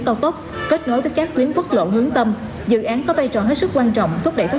cao tốc kết nối với các tuyến quốc lộ hướng tâm dự án có vai trò hết sức quan trọng thúc đẩy phát